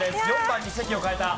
４番に席を変えた。